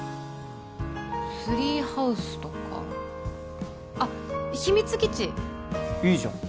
ツリーハウスとかあっ秘密基地いいじゃん